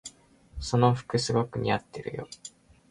その服すごく似合ってるよ。